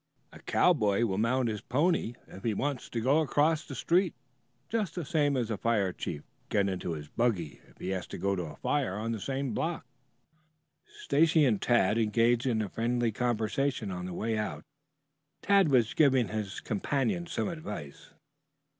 A cowboy will mount his pony if he wants to go across the street, just the same as a fire chief will get into his buggy if he goes to a fire on the same block. Stacy and Tad engaged in a friendly conversation on the way out. Tad was giving his companion some advice.